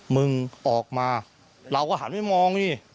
มึงออกมาเราก็หันไปมองนี่